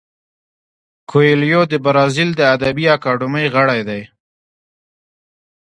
کویلیو د برازیل د ادبي اکاډمۍ غړی دی.